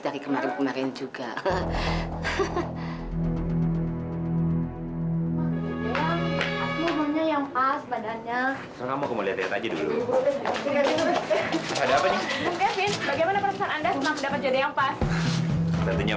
faye nanti diserah dulu ya